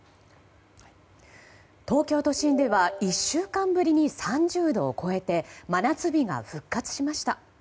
東京都心では１週間ぶりに３０度を超えて真夏日が復活しました。